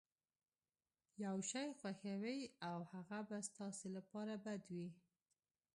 يو شی خوښوئ او هغه به ستاسې لپاره بد وي.